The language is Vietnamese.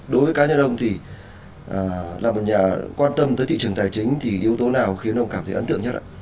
đối với cá nhân ông thì là một nhà quan tâm tới thị trường tài chính thì yếu tố nào khiến ông cảm thấy ấn tượng nhất ạ